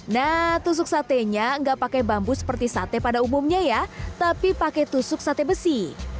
nah tusuk satenya enggak pakai bambu seperti sate pada umumnya ya tapi pakai tusuk sate besi